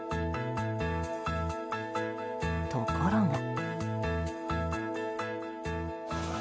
ところが。